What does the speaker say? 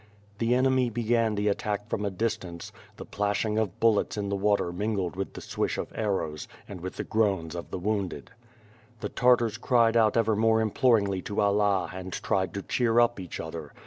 The enemy began the attack from a distance; the plashing of bullets in the water mingled with the swish of arrows, and wnth the groans of the wounded. The Tartars cried out ever more imploringly to Allah and tried to cheer up each other.